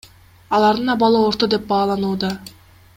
Алардын абалы орто деп бааланууда.